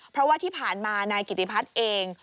เพราะว่าที่ผ่านมานายกิติพัฒน์เอง